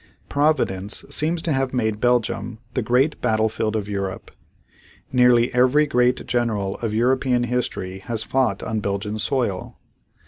Providence seems to have made Belgium the great battlefield of Europe. Nearly every great general of European history has fought on Belgian soil.